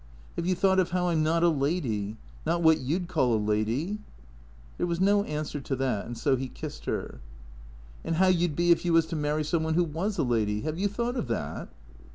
" Have you thought of how I 'm not a lady ? Not what you 'd call a lady ?" There was no answer to that, and so he kissed her. " And how you 'd be if you was to marry some one who was a lady ? Have you thought of that